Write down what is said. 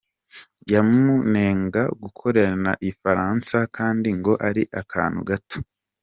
Yamunengaga ko arengera Igifaransa kandi ngo ari akantu gato.